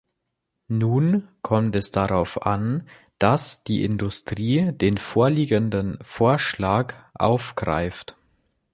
Nun kommt es darauf an, dass die Industrie den vorliegenden Vorschlag aufgreift.